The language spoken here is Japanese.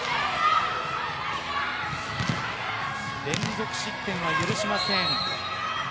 連続失点は許しません。